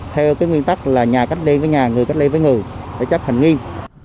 theo nguyên tắc là nhà cách ly với nhà người cách ly với người để chấp hành nghiêm